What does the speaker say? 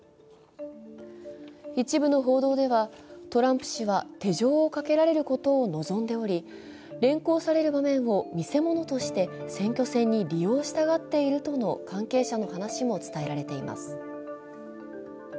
一部の報道では、トランプ氏は手錠をかけられることを望んでおり連行される場面を見せ物として選挙戦に利用したがっているとの関係者の話も伝えられています。